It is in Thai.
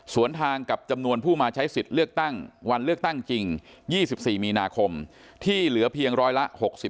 ส่วนทางกับจำนวนผู้มาใช้สิทธิ์เลือกตั้งวันเลือกตั้งจริง๒๔มีนาคมที่เหลือเพียงร้อยละ๖๐